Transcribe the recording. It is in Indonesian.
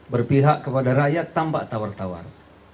berpihak kepada rakyat tanpa tawar tawar